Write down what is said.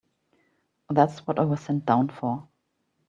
That's what I was sent down for.